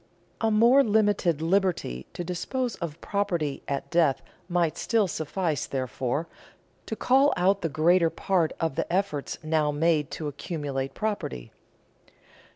A more limited liberty to dispose of property at death might still suffice, therefore, to call out the greater part of the efforts now made to accumulate property.